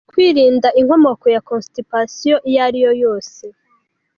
Kwirinda inkomoko ya constipation iyo ariyo yose.